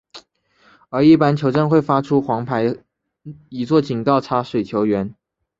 而一般球证会发出黄牌以作警告插水球员。